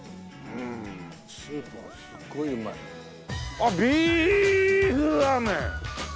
あっ「ビーフラーメン」！